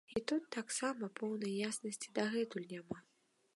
І тут таксама поўнай яснасці дагэтуль няма.